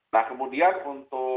nah kemudian untuk